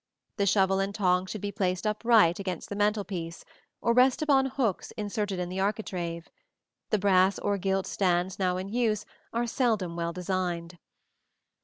The shovel and tongs should be placed upright against the mantel piece, or rest upon hooks inserted in the architrave: the brass or gilt stands now in use are seldom well designed.